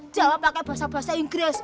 jawab pakai bahasa bahasa inggris